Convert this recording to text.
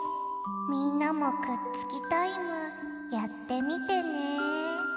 みんなもくっつきタイムやってみてね。